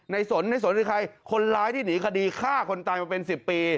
สนในสนคือใครคนร้ายที่หนีคดีฆ่าคนตายมาเป็น๑๐ปี